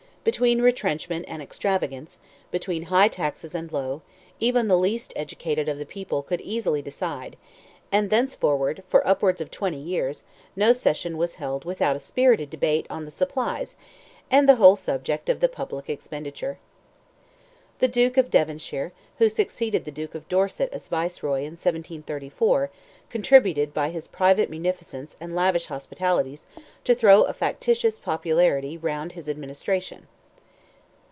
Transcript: Between retrenchment and extravagance, between high taxes and low, even the least educated of the people could easily decide; and thenceforward for upwards of twenty years, no session was held without a spirited debate on the supplies, and the whole subject of the public expenditure. The Duke of Devonshire, who succeeded the Duke of Dorset as Viceroy in 1737, contributed by his private munificence and lavish hospitalities to throw a factitious popularity round his administration.